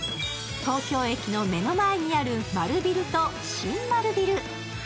東京駅の目の前にある丸ビルと新丸ビル。